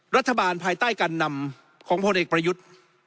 ภายใต้การนำของพลเอกประยุทธ์